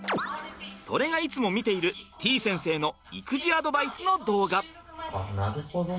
それがいつも見ているてぃ先生の育児アドバイスの動画。